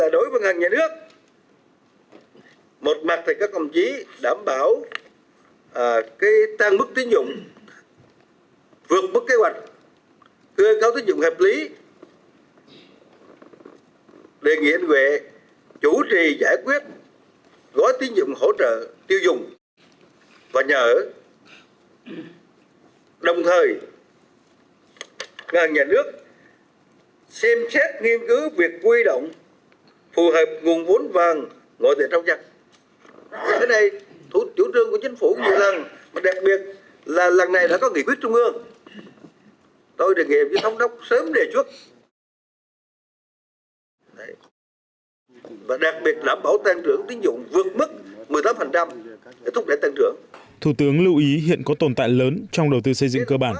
đối với ngân hàng nhà nước một mặt là các công chí đảm bảo tăng mức tiêu dụng vượt mức kế hoạch cơ cấu tiêu dụng hợp lý đề nghiện về chủ trì giải quyết gói tiêu dụng hỗ trợ tiêu dụng